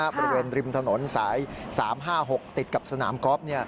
บริเวณริมถนนสาย๓๕๖ติดกับสนามกอล์ฟ